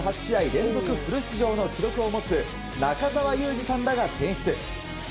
連続フル出場の記録を持つ中澤佑二さんらが選出。